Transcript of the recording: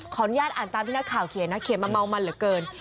อนุญาตอ่านตามที่นักข่าวเขียนนะเขียนมาเมามันเหลือเกิน